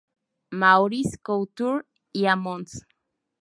Maurice Couture y a Mons.